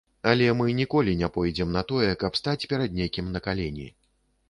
Але мы ніколі не пойдзем на тое, каб стаць перад некім на калені.